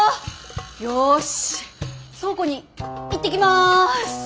よし倉庫に行ってきます。